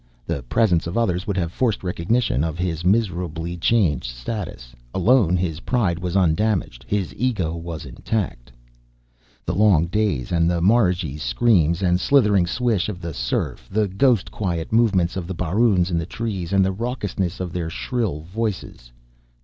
The presence of others would have forced recognition of his miserably changed status. Alone, his pride was undamaged. His ego was intact. The long days, and the marigees' screams, the slithering swish of the surf, the ghost quiet movements of the baroons in the trees and the raucousness of their shrill voices.